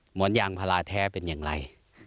หมอนยางพาราแท้เป็นอย่างไร